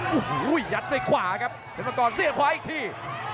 โอ้โหยัดไปขวาครับเผ็ดมันก่อนเสียขวาอีกที